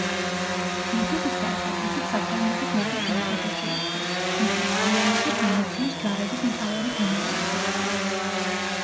ბიძის მსგავსად ისიც საფრანგეთის მეფის სამსახურში იდგა, თუმც მოგვიანებით ვენეციის ჯარების მთავარი გენერალი გახდა.